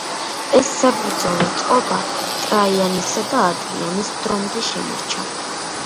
ეს საბრძოლო წყობა ტრაიანესა და ადრიანეს დრომდე შემორჩა.